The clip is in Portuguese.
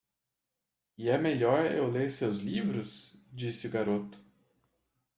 "E é melhor eu ler seus livros?" disse o garoto.